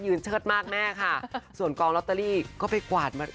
เชิดมากแม่ค่ะส่วนกองลอตเตอรี่ก็ไปกวาดมา